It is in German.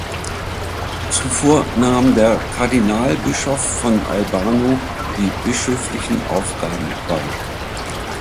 Zuvor nahm der Kardinalbischof von Albano die bischöflichen Aufgaben war.